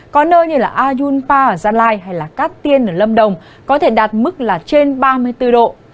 có nơi như là ayunpa gia lai hay cát tiên ở lâm đồng có thể đạt mức là trên ba mươi bốn độ